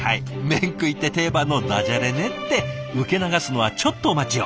「めん食い」って定番のだじゃれねって受け流すのはちょっとお待ちを。